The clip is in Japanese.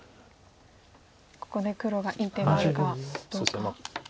ここで黒がいい手があるかどうか。